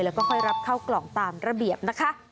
แล้วก็ค่อยรับเข้ากล่องตามระเบียบนะคะ